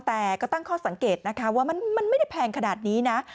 แต่ก็ตั้งข้อสังเกตนะคะว่ามันไม่ได้แพงขนาดนี้นะ